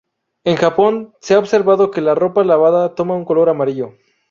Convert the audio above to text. En Japón se ha observado que la ropa lavada toma un color amarillo.